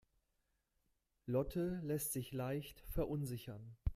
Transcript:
Lotte lässt sich leicht verunsichern.